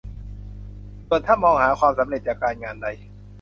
ส่วนถ้ามองหาความสำเร็จจากการงานใด